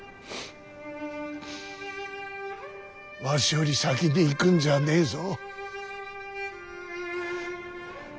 わしより先に逝くんじゃねえぞ。